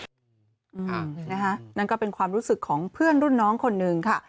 อืมนะฮะนั่นก็เป็นความรู้สึกของเพื่อนรุ่นน้องคนหนึ่งค่ะ